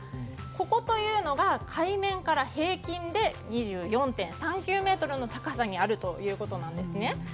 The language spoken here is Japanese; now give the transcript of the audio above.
ここというのが海面から平均で２４．３９ｍの高さにあるということですね。